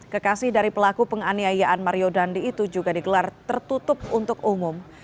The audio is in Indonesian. kekasih dari pelaku penganiayaan mario dandi itu juga digelar tertutup untuk umum